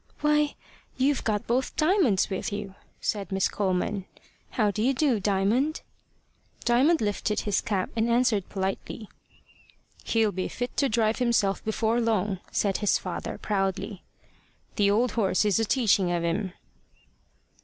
"Why, you've got both Diamonds with you," said Miss Coleman. "How do you do, Diamond?" Diamond lifted his cap, and answered politely. "He'll be fit to drive himself before long," said his father, proudly. "The old horse is a teaching of him."